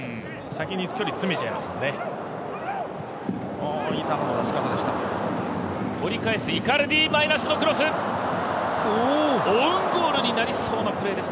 先に距離、詰めちゃいますので。